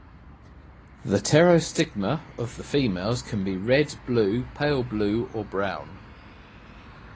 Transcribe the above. The pterostigma of the females can be red, blue, pale blue or brown.